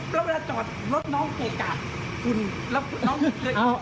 แล้วเวลาจอดรถน้องเคยจัด